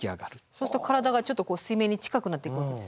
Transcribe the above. そうすると体がちょっと水面に近くなってくるんですかやっぱり。